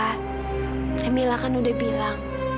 kamila kan udah bilang